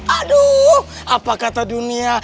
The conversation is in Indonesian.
aduh apa kata dunia